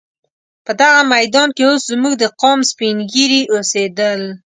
په دغه میدان کې اوس زموږ د قام سپین ږیري اوسېدل.